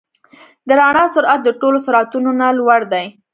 د رڼا سرعت د ټولو سرعتونو نه لوړ دی.